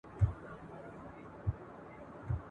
که دا ښار هدیره نه وای که ژوندي پر اوسېدلای ..